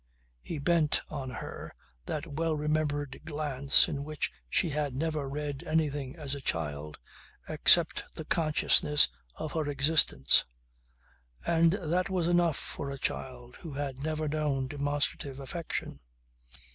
He bent on her that well remembered glance in which she had never read anything as a child, except the consciousness of her existence. And that was enough for a child who had never known demonstrative affection.